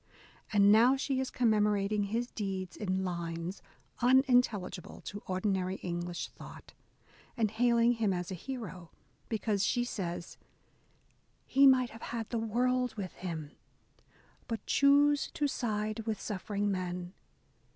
And now she is commemorating his deeds in lines unintelligible to ordinary English thought, and hailing him as a hero, because, she says, He might have had the world with him. But choose to side with suffering men.